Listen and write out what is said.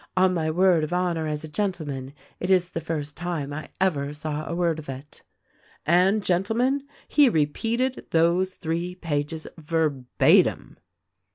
On my word of honor as a gentleman, it is the first time I ever saw a word of it.' "And gentlemen, he repeated those three pages ver batim.